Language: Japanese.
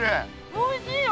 おいしいよ！